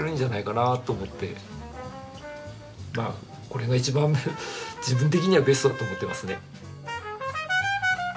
これが一番自分的にはベストだと思ってますね。